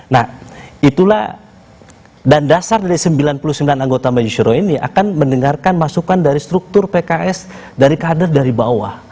nah itulah dan dasar dari sembilan puluh sembilan anggota majelis syuro ini akan mendengarkan masukan dari struktur pks dari kader dari bawah